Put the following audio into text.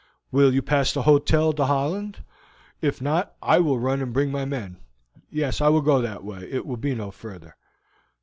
"Will you pass the Hotel d'Hollande? If not, I will run and bring my men." "Yes, I will go that way; it will be no further."